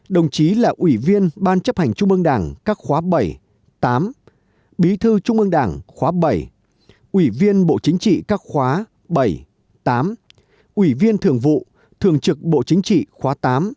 đồng chí là ủy viên ban chấp hành trung ương đảng các khóa bảy tám bí thư trung ương đảng khóa bảy ủy viên bộ chính trị các khóa bảy tám ủy viên thường vụ thường trực bộ chính trị khóa tám